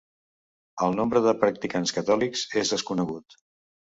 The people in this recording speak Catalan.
El nombre de practicants catòlics és desconegut.